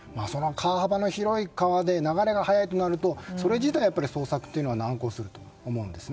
川幅の広い川で流れが速くなるとそれ自体捜索というのは難航すると思うんです。